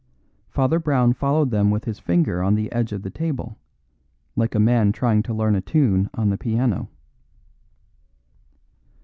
Father Brown followed them with his finger on the edge of the table, like a man trying to learn a tune on the piano.